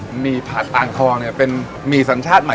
หมี่ผัดอังคลมันเป็นหมี่สัญชาติใหม่